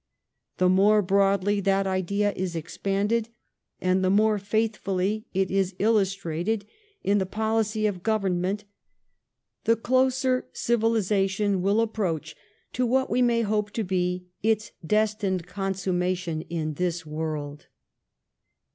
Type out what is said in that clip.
The more broadly that idea is expanded, and the more faithfully it is illustrated in the policy of government, the closer civilisation will approach to what we may hope to be its destined consummation in this world.